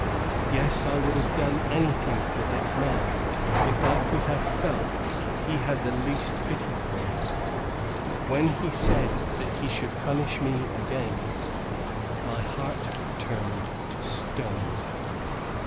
Yes, I would have done anything for that man, if I could have felt that he had the least pity for me; but when he said he should punish me again, my heart turned to stone.